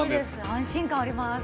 安心感あります。